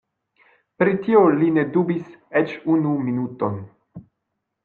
Pri tio li ne dubis eĉ unu minuton.